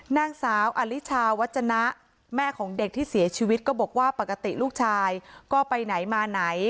นางสาวอลิชาวัจจนะแม่ของเด็กที่เสียชีวิตก็บอกว่าปกติลูกชายก็ไปไหนมาไหน